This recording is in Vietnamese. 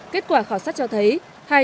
kết quả khảo sát cho thấy